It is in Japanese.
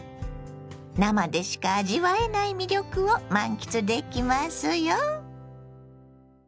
生でしか味わえない魅力を満喫できますよ。